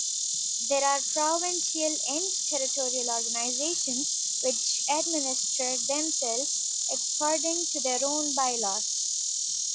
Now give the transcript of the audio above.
There are Provincial and Territorial Organizations, which administer themselves according to their own bylaws.